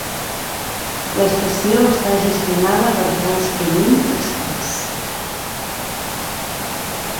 L"estació està gestionada per TransPennine Express.